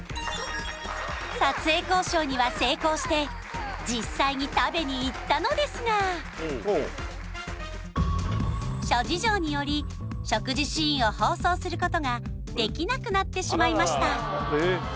撮影交渉には成功して実際に食べに行ったのですが諸事情により食事シーンを放送することができなくなってしまいました